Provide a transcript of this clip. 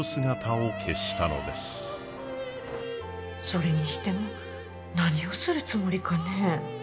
それにしても何をするつもりかね？